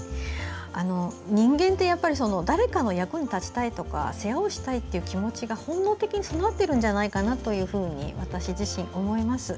人間って誰かの役に立ちたいとか世話をしたいという気持ちが本能的に備わっているんじゃないかなと私自身、思います。